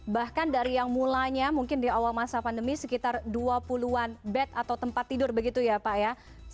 bahkan dari yang mulanya mungkin di awal masa pandemi sekitar dua puluh an bed atau tempat tidur begitu ya pak ya